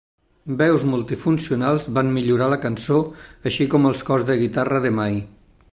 Veus multifuncionals van millorar la cançó, així com els cors de guitarra de May.